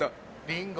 リンゴ。